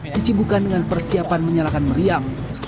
disibukan dengan persiapan menyalakan meriam